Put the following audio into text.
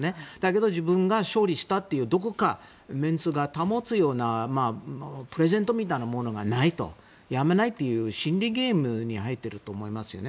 だけど自分が勝利したというどこかメンツが保つようなプレゼントみたいなものがないとやめないという心理ゲームに入っていると思います。